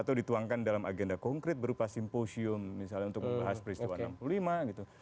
atau dituangkan dalam agenda konkret berupa simposium misalnya untuk membahas peristiwa enam puluh lima gitu